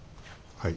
はい。